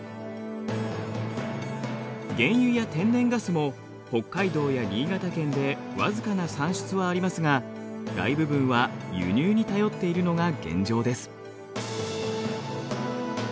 原油や天然ガスも北海道や新潟県で僅かな産出はありますが大部分は輸入に頼っているのが現状です。